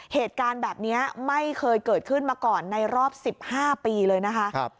เหตุการณ์แบบนี้ไม่เคยเกิดขึ้นมาก่อนในรอบ๑๕ปีเลยนะคะ